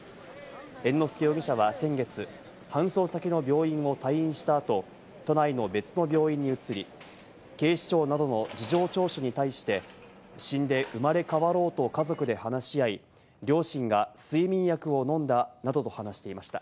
猿之助容疑者は先月、搬送先の病院を退院した後、都内の別の病院に移り、警視庁などの事情聴取に対して、死んで生まれ変わろうと家族で話し合い、両親が睡眠薬を飲んだなどと話していました。